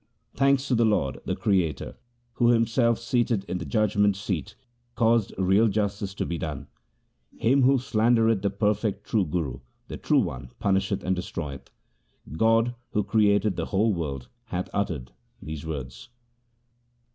Thanks to the Lord, the Creator, who Himself seated in the judgement seat caused real justice to be done. Him who slandereth the perfect true Guru, the True One punisheth and destroyeth. God who created the whole world hath uttered these words.